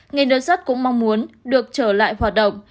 ngày đợt sát cũng mong muốn được trở lại hoạt động